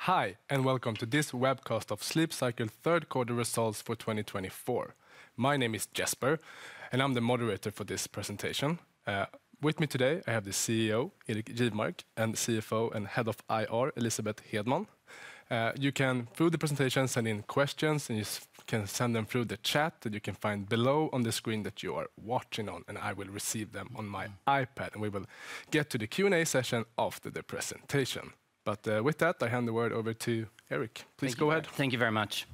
Hi, and welcome to this webcast of Sleep Cycle third quarter results for 2024. My name is Jesper, and I'm the moderator for this presentation. With me today, I have the CEO, Erik Jivmark, and CFO and Head of IR, Elisabeth Hedman. You can, through the presentation, send in questions, and you can send them through the chat that you can find below on the screen that you are watching on, and I will receive them on my iPad, and we will get to the Q&A session after the presentation. But, with that, I hand the word over to Erik. Please go ahead. Thank you very much.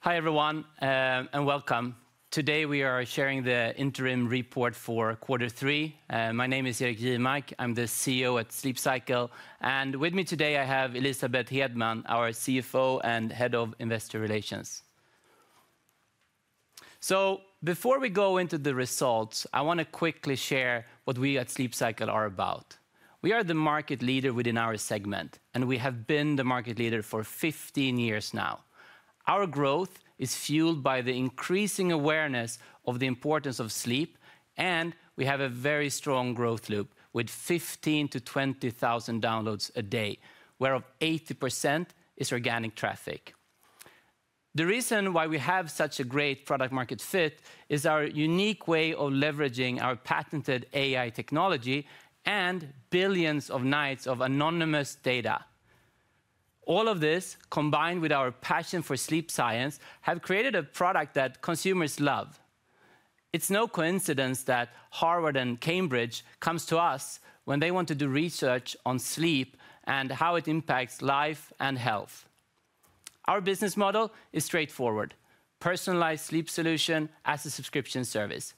Hi, everyone, and welcome. Today, we are sharing the interim report for quarter three, and my name is Erik Jivmark. I'm the CEO at Sleep Cycle, and with me today, I have Elisabeth Hedman, our CFO and Head of Investor Relations. So before we go into the results, I wanna quickly share what we at Sleep Cycle are about. We are the market leader within our segment, and we have been the market leader for 15 years now. Our growth is fueled by the increasing awareness of the importance of sleep, and we have a very strong growth loop, with 15,000-20,000 downloads a day, whereof 80% is organic traffic. The reason why we have such a great product market fit is our unique way of leveraging our patented AI technology and billions of nights of anonymous data. All of this, combined with our passion for sleep science, have created a product that consumers love. It's no coincidence that Harvard and Cambridge comes to us when they want to do research on sleep and how it impacts life and health. Our business model is straightforward: personalized sleep solution as a subscription service.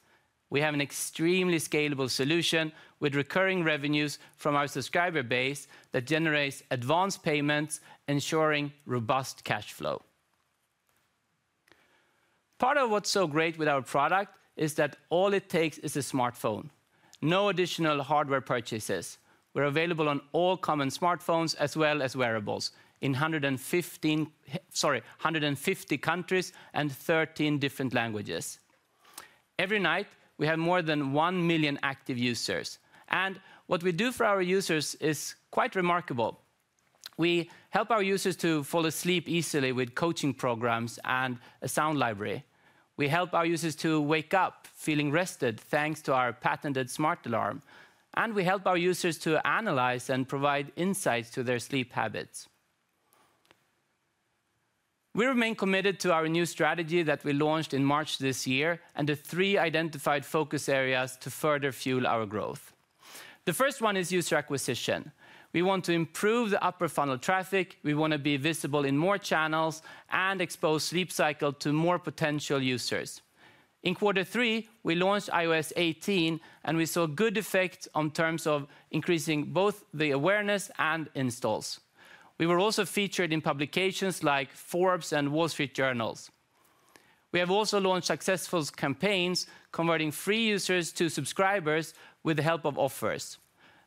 We have an extremely scalable solution with recurring revenues from our subscriber base that generates advanced payments, ensuring robust cash flow. Part of what's so great with our product is that all it takes is a smartphone, no additional hardware purchases. We're available on all common smartphones, as well as wearables, in 115, sorry, 150 countries and 13 different languages. Every night, we have more than 1 million active users, and what we do for our users is quite remarkable. We help our users to fall asleep easily with coaching programs and a sound library. We help our users to wake up feeling rested, thanks to our patented smart alarm, and we help our users to analyze and provide insights to their sleep habits. We remain committed to our new strategy that we launched in March this year, and the three identified focus areas to further fuel our growth. The first one is user acquisition. We want to improve the upper funnel traffic, we wanna be visible in more channels, and expose Sleep Cycle to more potential users. In quarter three, we launched iOS 18, and we saw good effect in terms of increasing both the awareness and installs. We were also featured in publications like Forbes and Wall Street Journal. We have also launched successful campaigns, converting free users to subscribers with the help of offers.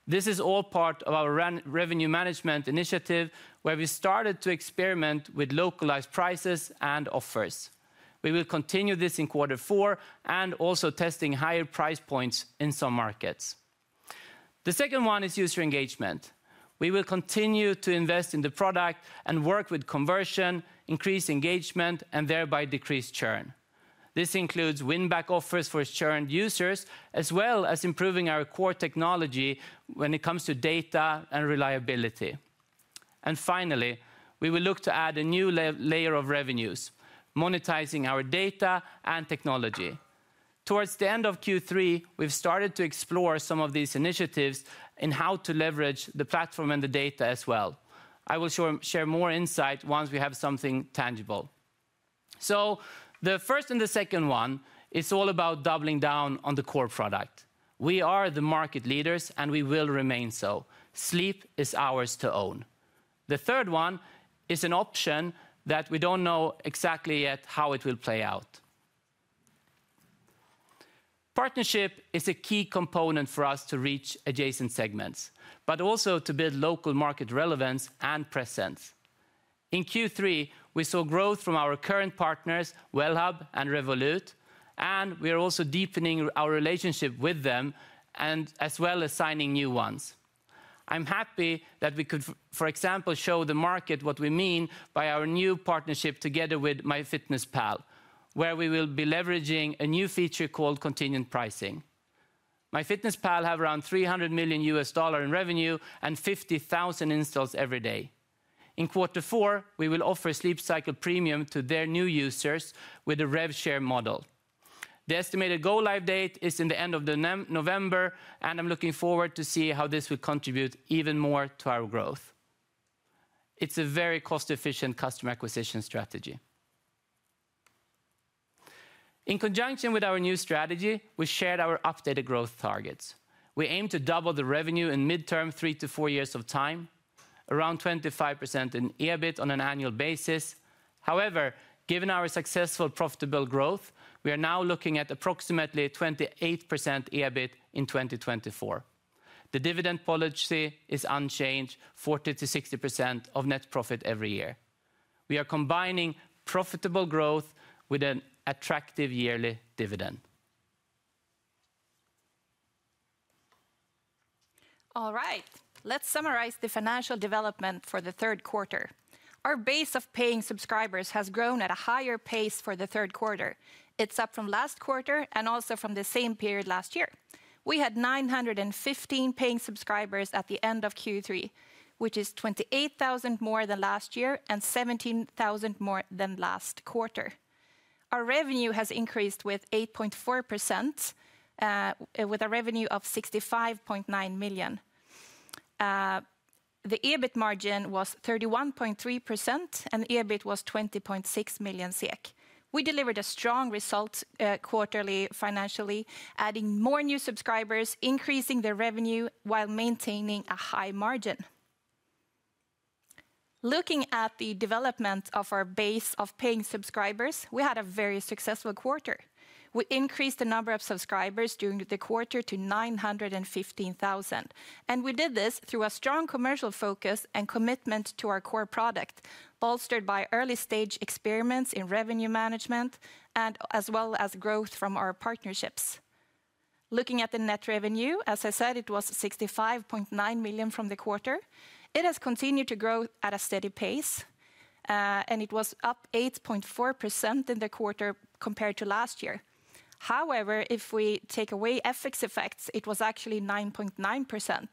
This is all part of our revenue management initiative, where we started to experiment with localized prices and offers. We will continue this in quarter four and also testing higher price points in some markets. The second one is user engagement. We will continue to invest in the product and work with conversion, increase engagement, and thereby decrease churn. This includes win-back offers for churned users, as well as improving our core technology when it comes to data and reliability. And finally, we will look to add a new layer of revenues, monetizing our data and technology. Towards the end of Q3, we've started to explore some of these initiatives in how to leverage the platform and the data as well. I will share more insight once we have something tangible. So the first and the second one is all about doubling down on the core product. We are the market leaders, and we will remain so. Sleep is ours to own. The third one is an option that we don't know exactly yet how it will play out. Partnership is a key component for us to reach adjacent segments, but also to build local market relevance and presence. In Q3, we saw growth from our current partners, Wellhub and Revolut, and we are also deepening our relationship with them and as well as signing new ones. I'm happy that we could, for example, show the market what we mean by our new partnership together with MyFitnessPal, where we will be leveraging a new feature called contingent pricing. MyFitnessPal have around $300 million in revenue and 50,000 installs every day. In quarter four, we will offer Sleep Cycle Premium to their new users with a rev share model. The estimated go-live date is in the end of November, and I'm looking forward to see how this will contribute even more to our growth. It's a very cost-efficient customer acquisition strategy. In conjunction with our new strategy, we shared our updated growth targets. We aim to double the revenue in midterm, three to four years of time, around 25% in EBIT on an annual basis. However, given our successful profitable growth, we are now looking at approximately 28% EBIT in 2024. The dividend policy is unchanged, 40%-60% of net profit every year. We are combining profitable growth with an attractive yearly dividend. All right, let's summarize the financial development for the third quarter. Our base of paying subscribers has grown at a higher pace for the third quarter. It's up from last quarter, and also from the same period last year. We had 915 paying subscribers at the end of Q3, which is 28,000 more than last year and 17,000 more than last quarter. Our revenue has increased with 8.4%, with a revenue of 65.9 million. The EBIT margin was 31.3%, and the EBIT was 20.6 million. We delivered a strong result quarterly, financially, adding more new subscribers, increasing the revenue, while maintaining a high margin. Looking at the development of our base of paying subscribers, we had a very successful quarter. We increased the number of subscribers during the quarter to 915,000, and we did this through a strong commercial focus and commitment to our core product, bolstered by early-stage experiments in revenue management and as well as growth from our partnerships. Looking at the net revenue, as I said, it was 65.9 million from the quarter. It has continued to grow at a steady pace, and it was up 8.4% in the quarter compared to last year. However, if we take away FX effects, it was actually 9.9%.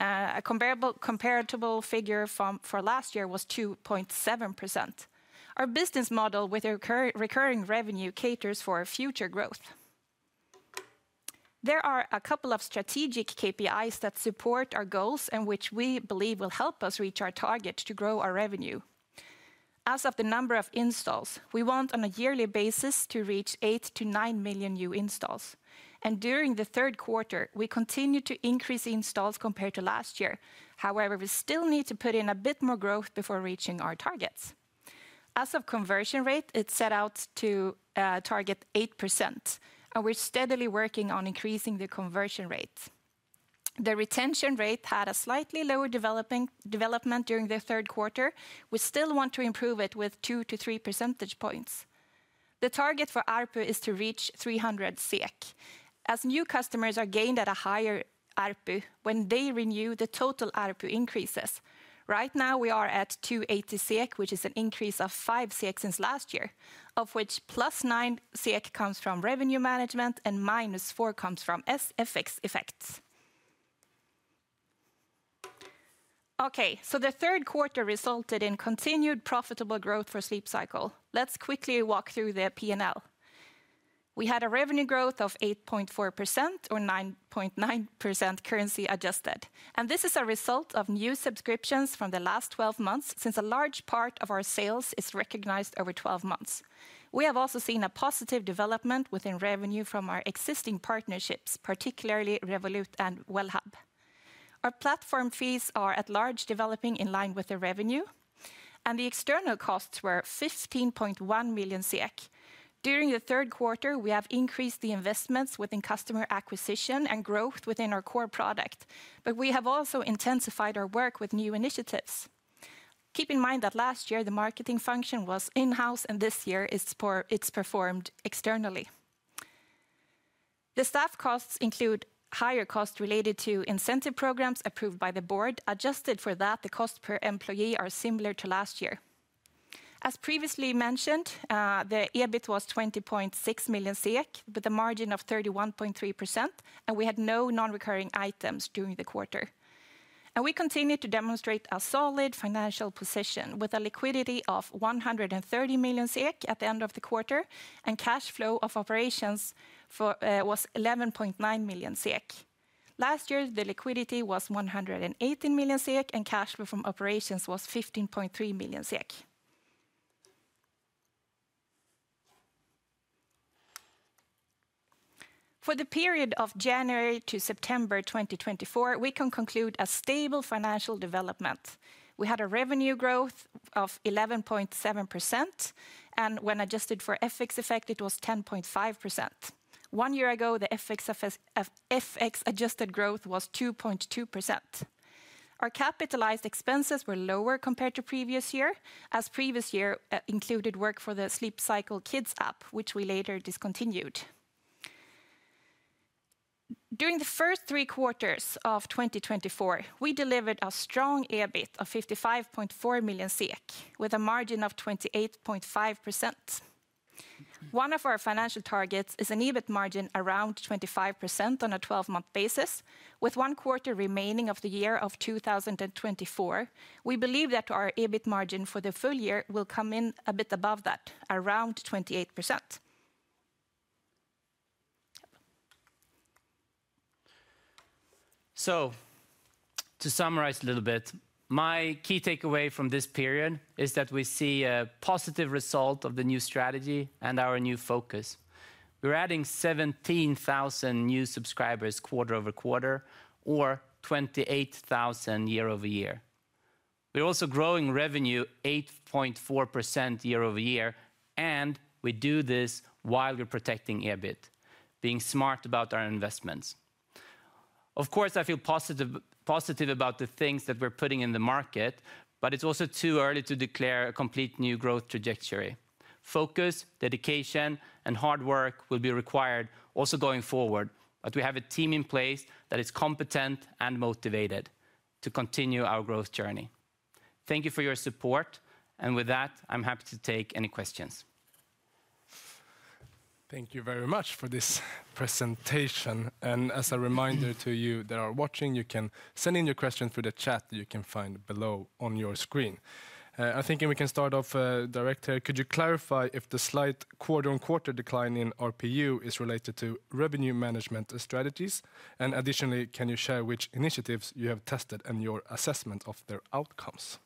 A comparable figure for last year was 2.7%. Our business model with our recurring revenue caters for our future growth. There are a couple of strategic KPIs that support our goals and which we believe will help us reach our target to grow our revenue. As of the number of installs, we want, on a yearly basis, to reach 8-9 million new installs, and during the third quarter, we continued to increase installs compared to last year. However, we still need to put in a bit more growth before reaching our targets. As of conversion rate, it set out to target 8%, and we're steadily working on increasing the conversion rate. The retention rate had a slightly lower development during the third quarter. We still want to improve it with 2-3 percentage points. The target for ARPU is to reach 300 SEK. As new customers are gained at a higher ARPU, when they renew, the total ARPU increases. Right now, we are at 280 SEK, which is an increase of 5 SEK since last year, of which +9 SEK comes from revenue management, and -4 comes from FX effects. Okay, so the third quarter resulted in continued profitable growth for Sleep Cycle. Let's quickly walk through the P&L. We had a revenue growth of 8.4% or 9.9% currency adjusted, and this is a result of new subscriptions from the last 12 months, since a large part of our sales is recognized over 12 months. We have also seen a positive development within revenue from our existing partnerships, particularly Revolut and Wellhub. Our platform fees are by and large developing in line with the revenue, and the external costs were 15.1 million. During the third quarter, we have increased the investments within customer acquisition and growth within our core product, but we have also intensified our work with new initiatives. Keep in mind that last year, the marketing function was in-house, and this year it's performed externally. The staff costs include higher costs related to incentive programs approved by the board. Adjusted for that, the cost per employee are similar to last year. As previously mentioned, the EBIT was 20.6 million SEK, with a margin of 31.3%, and we had no non-recurring items during the quarter. And we continued to demonstrate a solid financial position with a liquidity of 130 million SEK at the end of the quarter, and cash flow of operations was 11.9 million SEK. Last year, the liquidity was 118 million SEK, and cash flow from operations was 15.3 million SEK. For the period of January to September 2024, we can conclude a stable financial development. We had a revenue growth of 11.7%, and when adjusted for FX effect, it was 10.5%. One year ago, the FX-adjusted growth was 2.2%. Our capitalized expenses were lower compared to previous year, as previous year included work for the Sleep Cycle Kids app, which we later discontinued. During the first three quarters of 2024, we delivered a strong EBIT of 55.4 million SEK with a margin of 28.5%. One of our financial targets is an EBIT margin around 25% on a 12-month basis, with one quarter remaining of the year of 2024. We believe that our EBIT margin for the full year will come in a bit above that, around 28%. So to summarize a little bit, my key takeaway from this period is that we see a positive result of the new strategy and our new focus. We're adding 17,000 new subscribers quarter-over-quarter or 28,000 year-over-year. We're also growing revenue 8.4% year-over-year, and we do this while we're protecting EBIT, being smart about our investments... Of course, I feel positive, positive about the things that we're putting in the market, but it's also too early to declare a complete new growth trajectory. Focus, dedication, and hard work will be required also going forward, but we have a team in place that is competent and motivated to continue our growth journey. Thank you for your support, and with that, I'm happy to take any questions. Thank you very much for this presentation. And as a reminder to you that are watching, you can send in your questions through the chat that you can find below on your screen. I think then we can start off right here. Could you clarify if the slight quarter on quarter decline in ARPU is related to revenue management strategies? And additionally, can you share which initiatives you have tested and your assessment of their outcomes?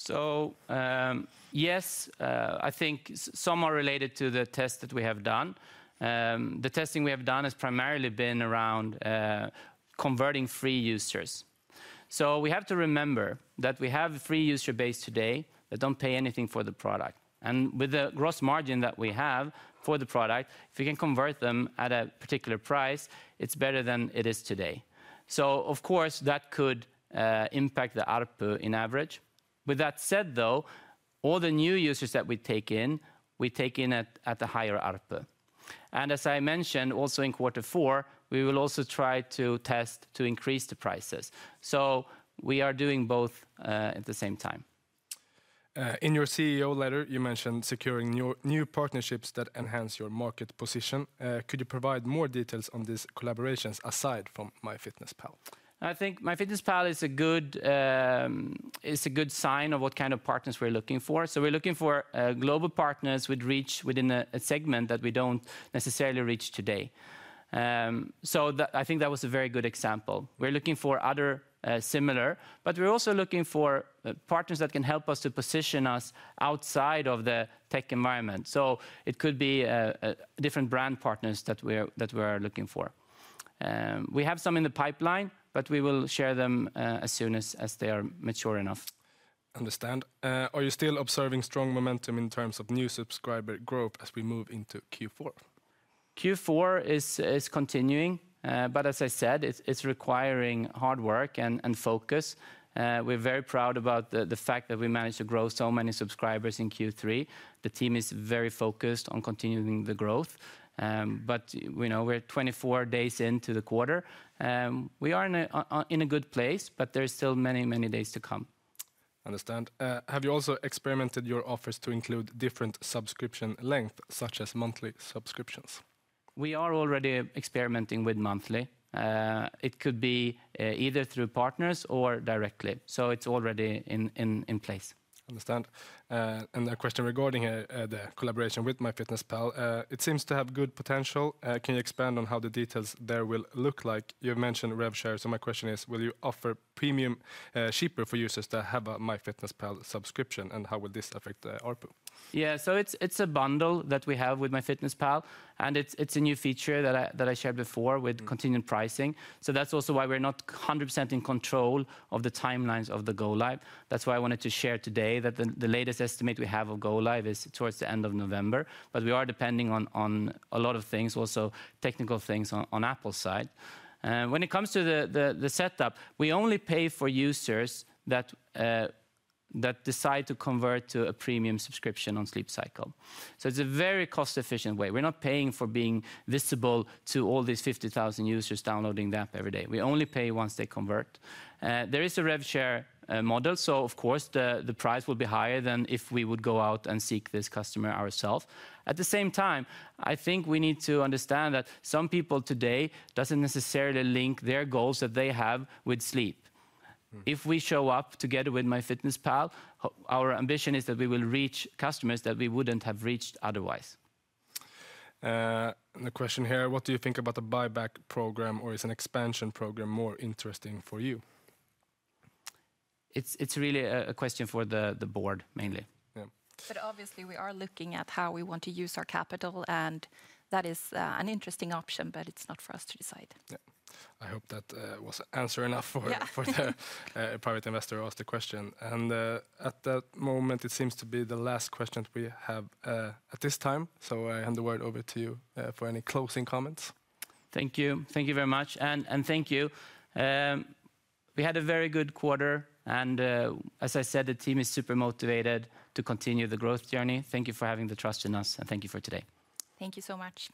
So, yes, I think some are related to the test that we have done. The testing we have done has primarily been around converting free users. So we have to remember that we have a free user base today that don't pay anything for the product, and with the gross margin that we have for the product, if we can convert them at a particular price, it's better than it is today. So of course, that could impact the ARPU in average. With that said, though, all the new users that we take in, we take in at a higher ARPU. And as I mentioned, also in quarter four, we will also try to test to increase the prices, so we are doing both at the same time. In your CEO letter, you mentioned securing new partnerships that enhance your market position. Could you provide more details on these collaborations aside from MyFitnessPal? I think MyFitnessPal is a good sign of what kind of partners we're looking for. So we're looking for global partners with reach within a segment that we don't necessarily reach today. So that I think that was a very good example. We're looking for other similar, but we're also looking for partners that can help us to position us outside of the tech environment. So it could be different brand partners that we're looking for. We have some in the pipeline, but we will share them as soon as they are mature enough. Understood. Are you still observing strong momentum in terms of new subscriber growth as we move into Q4? Q4 is continuing, but as I said, it's requiring hard work and focus. We're very proud about the fact that we managed to grow so many subscribers in Q3. The team is very focused on continuing the growth. But, you know, we're 24 days into the quarter. We are in a good place, but there are still many days to come. Understand. Have you also experimented your offers to include different subscription length, such as monthly subscriptions? We are already experimenting with monthly. It could be either through partners or directly, so it's already in place. Understand. And a question regarding the collaboration with MyFitnessPal. It seems to have good potential. Can you expand on how the details there will look like? You've mentioned rev share, so my question is, will you offer premium cheaper for users that have a MyFitnessPal subscription, and how would this affect the ARPU? Yeah, so it's a bundle that we have with MyFitnessPal, and it's a new feature that I shared before with- Mm... contingent pricing. So that's also why we're not 100% in control of the timelines of the go-live. That's why I wanted to share today that the latest estimate we have of go-live is towards the end of November, but we are depending on a lot of things, also technical things on Apple's side. When it comes to the setup, we only pay for users that decide to convert to a premium subscription on Sleep Cycle. So it's a very cost-efficient way. We're not paying for being visible to all these 50,000 users downloading the app every day. We only pay once they convert. There is a rev share model, so of course, the price will be higher than if we would go out and seek this customer ourselves. At the same time, I think we need to understand that some people today doesn't necessarily link their goals that they have with sleep. Mm. If we show up together with MyFitnessPal, our ambition is that we will reach customers that we wouldn't have reached otherwise. The question here, what do you think about the buyback program, or is an expansion program more interesting for you? It's really a question for the board, mainly. Yeah. But obviously, we are looking at how we want to use our capital, and that is an interesting option, but it's not for us to decide. Yeah. I hope that was answer enough for - Yeah... for the private investor who asked the question. And at that moment, it seems to be the last question we have at this time. So I hand the word over to you for any closing comments. Thank you. Thank you very much. And thank you. We had a very good quarter, and as I said, the team is super motivated to continue the growth journey. Thank you for having the trust in us, and thank you for today. Thank you so much.